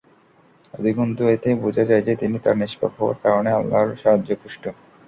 অধিকন্তু এতে বোঝা যায় যে, তিনি তার নিষ্পাপ হওয়ার কারণে আল্লাহর সাহায্যপুষ্ট।